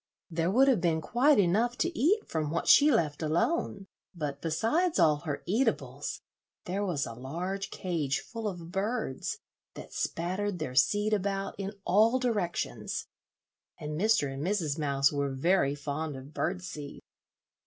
There would have been quite enough to eat from what she left alone; but besides all her eatables, there was a large cage full of birds, that spattered their seed about in all directions, and Mr. and Mrs. Mouse were very fond of bird seed.